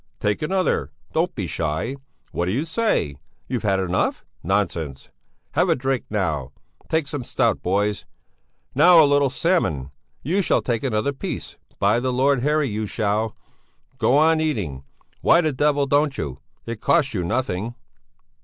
Take another! Don't be shy! What do you say? You've had enough? Nonsense! Have a drink now! Take some stout, boys! Now a little more salmon! You shall take another piece, by the Lord Harry, you shall! Go on eating! Why the devil don't you? It costs you nothing!"